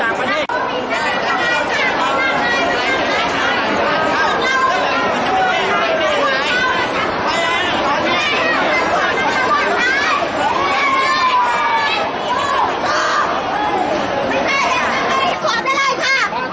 อาหรับเชี่ยวจามันไม่มีควรหยุด